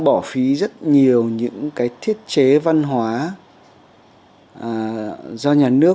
bỏ phí rất nhiều bởi vì chúng ta đang bỏ phí rất nhiều bởi vì chúng ta đang bỏ phí rất nhiều bởi vì